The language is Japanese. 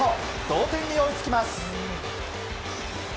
同点に追いつきます。